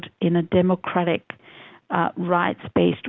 di sistem keamanan berbasis